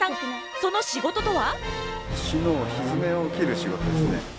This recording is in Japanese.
その仕事とは。